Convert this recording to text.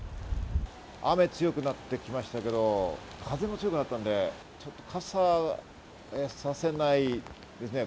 雨、強くなってきましたけど風も強くなったので傘させないですね。